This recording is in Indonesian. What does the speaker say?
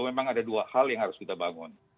memang ada dua hal yang harus kita bangun